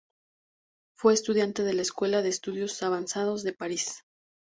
Fue estudiante de la Escuela de Estudios Avanzados de París.